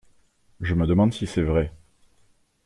Je me demande si c'est vrai.